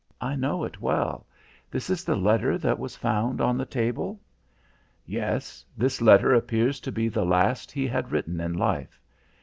I know it well. This is the letter that was found on the table?" "Yes, this letter appears to be the last he had written in life.